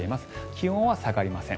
気温は下がりません。